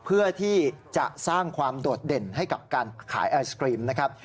เพื่อที่จะสร้างความโดดเด่นให้กับการขายไอศกรีมนะครับ